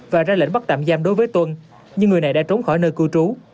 và ra lệnh bắt tạm giam đối với tuân nhưng người này đã trốn khỏi nơi cư trú